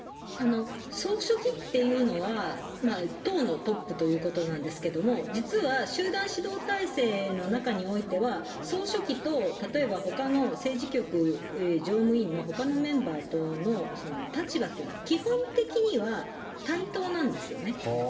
総書記っていうのは、党のトップということなんですけれども、実は、集団指導体制の中においては、総書記と、例えばほかの政治局常務委員のほかのメンバーとの立場というのは、基本的には対等なんですよね。